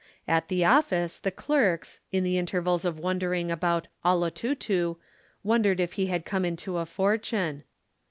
At the office the clerks, in the intervals of wondering about "Olotutu" wondered if he had come into a fortune.